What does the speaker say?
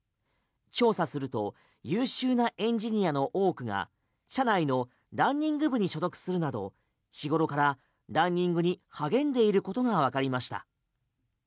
調査すると優秀なエンジニアの多くが社内のランニング部に所属するなど、日頃からランニングに励んでいることがわかりました。